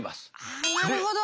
あなるほど。